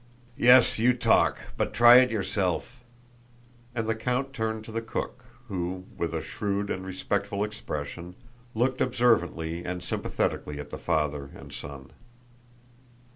"Yes, you talk, but try it yourself!" And the count turned to the cook, who, with a shrewd and respectful expression, looked observantly and sympathetically at the father and son.